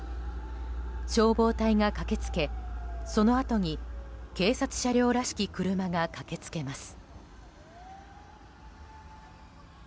消防隊が駆け付けそのあとに警察車両らしき車が駆け付けます。